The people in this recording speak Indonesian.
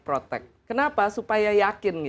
protect kenapa supaya yakin